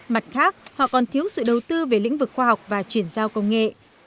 mặt khác họ còn thiếu sự đầu tư về lĩnh vực khoa học và chuyển giao công nghệ